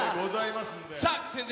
先生。